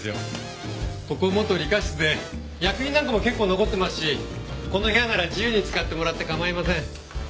ここ元理科室で薬品なんかも結構残ってますしこの部屋なら自由に使ってもらって構いません。